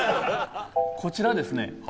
こちらですね